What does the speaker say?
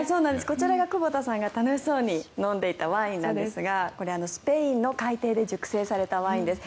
こちらが久保田さんが楽しそうに飲んでいたワインですがこれ、スペインの海底で熟成されたワインです。